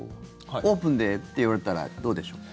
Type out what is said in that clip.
オープンでと言われたらどうでしょう。